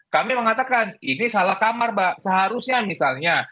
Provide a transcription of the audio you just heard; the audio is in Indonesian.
kami mengatakan ini salah kamar mbak seharusnya misalnya